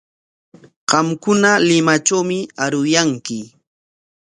Qamkuna Limatrawmi aruyanki.